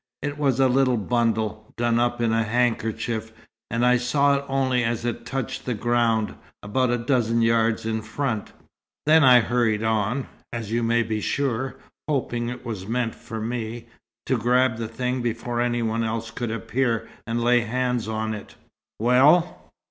It was a little bundle, done up in a handkerchief, and I saw it only as it touched the ground, about a dozen yards in front. Then I hurried on, you may be sure, hoping it was meant for me, to grab the thing before any one else could appear and lay hands on it." "Well?"